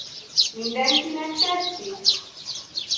Mindenkinek tetszik?